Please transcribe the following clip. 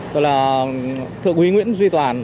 tôi là thượng quý nguyễn duy toàn